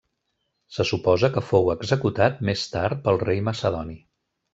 Se suposa que fou executat més tard pel rei macedoni.